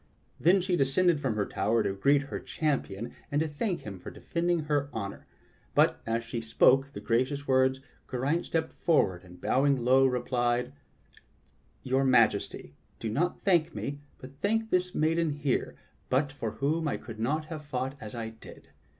Then she descended from her tower to greet her champion and thank him for defending her honor. But as she spoke the gracious words, Geraint stepped forward and bowing low, replied: "Your Majesty, do not thank me, but thank this maiden here, but for whom I could not have fought as I did.